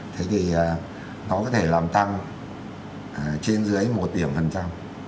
thế thì nó có thể làm tăng trên dưới một điểm phần trăm